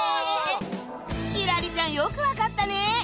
輝星ちゃんよく分かったね！